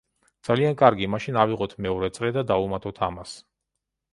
ძალიან კარგი, მაშინ ავიღოთ მეორე წრე და დავუმატოთ ამას.